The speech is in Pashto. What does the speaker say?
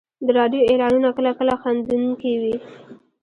د راډیو اعلانونه کله کله خندونکي وي.